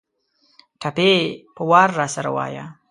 ټپې په وار راسره وايه